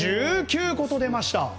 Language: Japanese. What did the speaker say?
１９個と出ました。